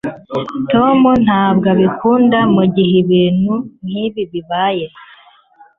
tom ntabwo abikunda mugihe ibintu nkibi bibaye